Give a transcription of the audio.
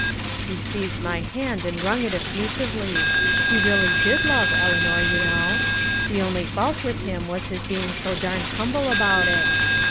He seized my hand and wrung it effusively. He really did love Eleanor, you know. The only fault with him was his being so darned humble about it.